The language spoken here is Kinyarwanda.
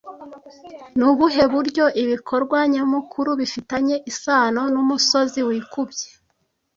Ni ubuhe buryo ibikorwa nyamukuru bifitanye isano n'umusozi wikubye